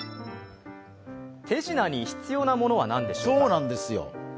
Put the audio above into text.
手品に必要なものは何でしょうか。